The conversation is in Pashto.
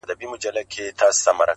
زه هوسۍ له لوړو څوکو پرزومه!